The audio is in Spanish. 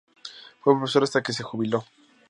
Fue profesora hasta que se jubiló.